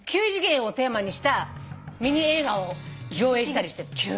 ９次元をテーマにしたミニ映画を上映したりしてる。